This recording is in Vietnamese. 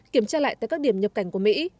kiểm tra lại tại các điểm nhập cảnh của mỹ